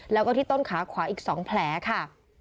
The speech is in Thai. แล้วก็ที่ต้นขาขวาอีก๒แผลค่ะ